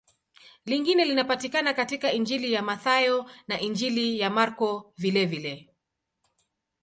Lingine linapatikana katika Injili ya Mathayo na Injili ya Marko vilevile.